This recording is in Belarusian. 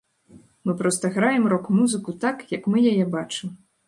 Мы проста граем рок-музыку так, як мы яе бачым.